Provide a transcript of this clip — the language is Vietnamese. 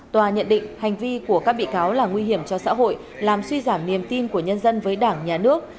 tòa nhận định hành vi của các bị cáo là nguy hiểm cho xã hội làm suy giảm niềm tin của nhân dân với đảng nhà nước